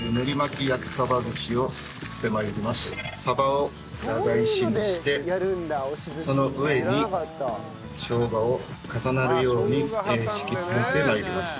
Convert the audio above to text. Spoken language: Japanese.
鯖を裏返しにしてその上にしょうがを重なるように敷き詰めて参ります。